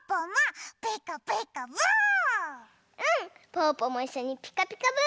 ぽぅぽもいっしょに「ピカピカブ！」